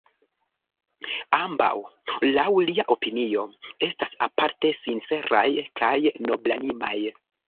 Ambaŭ, laŭ lia opinio, estas aparte sinceraj kaj noblanimaj.